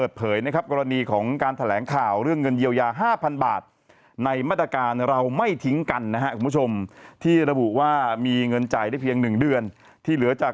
ชิคกี้พายเอ๊ะครัวซองทำอะไรดีเนอะ